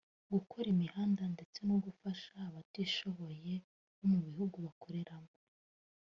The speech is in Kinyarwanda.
gukora imihanda ndetse no gufasha abatishoboye bo mu bihugu bakoreramo